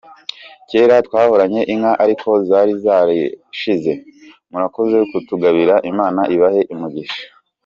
Kera twahoranye Inka ariko zari zarashize, murakoze kutugabira Imana ibahe umugisha.